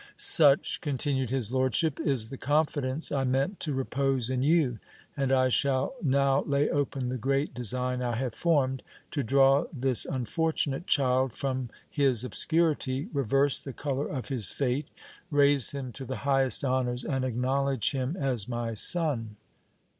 Such, continued his lordship, is the confidence I meant to repose in you, and I shall now lay open the great design I have formed, to draw this unfor DON GUZMAN ADOPTED BY OLIVAREZ. 429 tunate child from his obscurity, reverse the colour of his fate, raise him to the highest honours, and acknowledge him as my son.